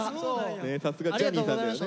さすがジャニーさんだよね。